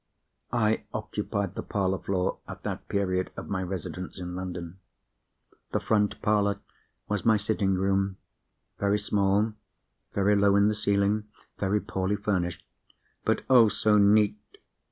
I occupied the parlour floor, at that period of my residence in London. The front parlour was my sitting room. Very small, very low in the ceiling, very poorly furnished—but, oh, so neat!